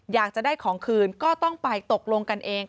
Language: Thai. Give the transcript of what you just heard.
อยากจะได้ของคืนก็ต้องไปตกลงกันเอง